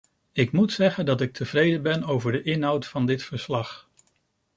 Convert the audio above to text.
Ik moet zeggen dat ik tevreden ben over de inhoud van dit verslag.